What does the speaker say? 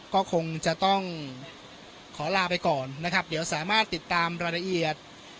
ก็คงจะต้องขอลาไปก่อนนะครับเดี๋ยวสามารถติดตามรายละเอียด